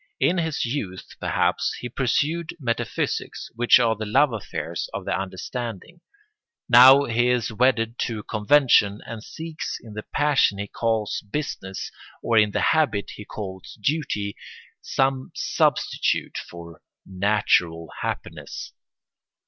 In his youth, perhaps, he pursued metaphysics, which are the love affairs of the understanding; now he is wedded to convention and seeks in the passion he calls business or in the habit he calls duty some substitute for natural happiness.